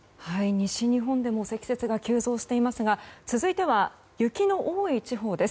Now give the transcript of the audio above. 西日本でも積雪が急増していますが続いては、雪の多い地方です。